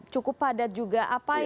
cukup padat juga